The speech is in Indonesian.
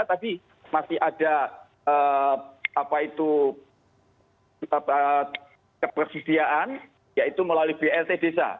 tapi masih ada kepersediaan yaitu melalui blt desa